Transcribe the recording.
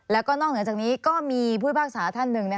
แล้วก็นอกเหนือจากนี้ก็มีผู้พิพากษาท่านหนึ่ง